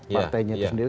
partainya itu sendiri